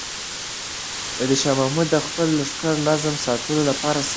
شاه محمود د خپل لښکر نظم ساتلو لپاره سخت و.